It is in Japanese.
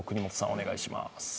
お願いします。